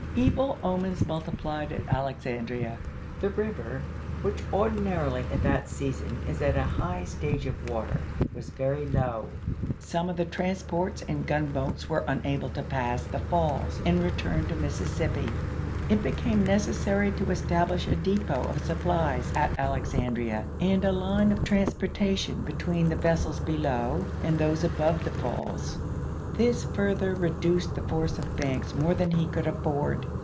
Evil omens multiplied at Alexandria. The river, which ordinarily at that season is at a high stage of water, was very low. Some of the trans ports and gunboats were unable to pass the falls and returned to the Mississippi. It became neces sary to establish a depot of supplies at Alexandria and a line of transportation between the vessels below and those above the falls ; this further re duced the force of Banks more than he could afford.